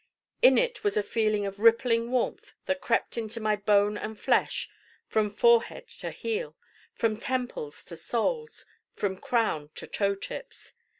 In it was a feel of rippling warmth that crept into my bone and flesh from forehead to heel, from temples to soles, from crown to toe tips.